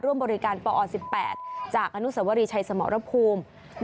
ร่วมบริการปอ๑๘จากอนุสวรีชัยสมรภูมิ